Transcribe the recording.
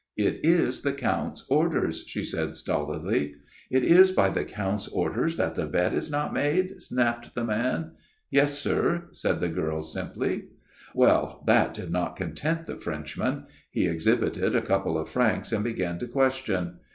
' It is the Count's orders/ she said stolidly. "' It is by the Count's orders that the bed is not made ?' snapped the man. 292 A MIRROR OF SHALOTT ' Yes, sir,' said the girl simply. " Well, that did not content the Frenchman. He exhibited a couple of francs and began to question.